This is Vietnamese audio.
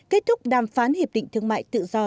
kết thúc đàm phán hiệp định thương mại tự do